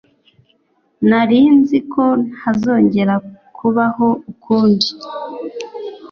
nari nzi ko ntazongera kubaho ukundi